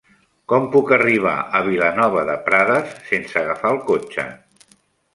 Com puc arribar a Vilanova de Prades sense agafar el cotxe?